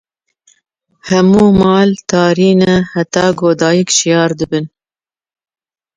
Hemû mal tarî ne, heta ku dayîk şiyar dibin.